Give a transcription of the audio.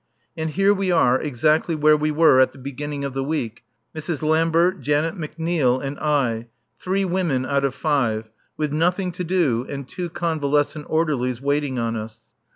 And here we are, exactly where we were at the beginning of the week, Mrs. Lambert, Janet McNeil and I, three women out of five, with nothing to do and two convalescent orderlies waiting on us.